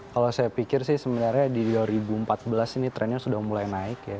kalau saya pikir sih sebenarnya di dua ribu empat belas ini trennya sudah mulai naik ya